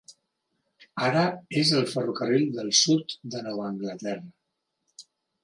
Ara és el ferrocarril del sud de Nova Anglaterra.